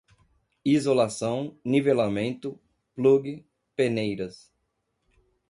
isolação, nivelamento, plug, peneiras